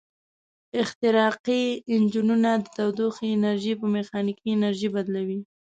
احتراقي انجنونه د تودوخې انرژي په میخانیکي انرژي بدلوي.